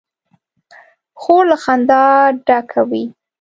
خور له خندا ډکه وي.